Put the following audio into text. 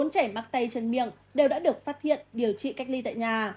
bốn trẻ mắc tay chân miệng đều đã được phát hiện điều trị cách ly tại nhà